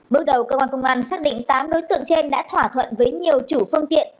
bước đầu cơ quan công an xác định tám đối tượng trên đã thỏa thuận với nhiều chủ phương tiện